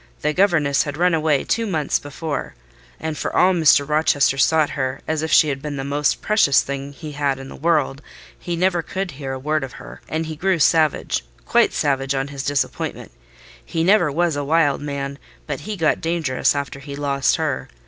The governess had run away two months before; and for all Mr. Rochester sought her as if she had been the most precious thing he had in the world, he never could hear a word of her; and he grew savage—quite savage on his disappointment: he never was a wild man, but he got dangerous after he lost her.